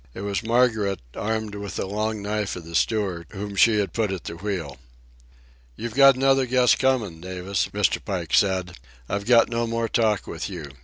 It was Margaret, armed with the long knife of the steward, whom she had put at the wheel. "You've got another guess comin', Davis," Mr. Pike said. "I've got no more talk with you.